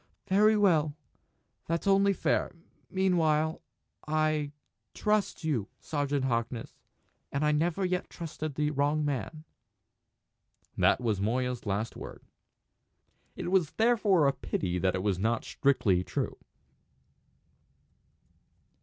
"Very well! That's only fair. Meanwhile I trust you, Sergeant Harkness. And I never yet trusted the wrong man!" That was Moya's last word. It is therefore a pity that it was not strictly true.